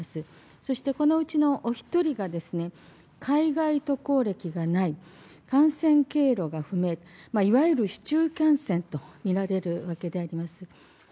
そしてこのうちのお１人がですね、海外渡航歴がない、感染経路が不明、いわゆる市中感染と見られるわけであります。